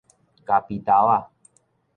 咖啡豆仔